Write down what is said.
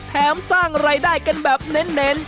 สร้างรายได้กันแบบเน้น